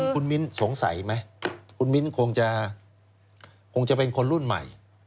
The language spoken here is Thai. คุณมิ้นสงสัยไหมคุณมิ้นคงจะคงจะเป็นคนรุ่นใหม่